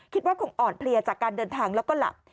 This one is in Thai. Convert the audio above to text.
คิดว่าคงอ่อนเพลียจากการเดินทางแล้วก็หลับ